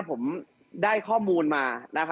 ผมได้ข้อมูลมา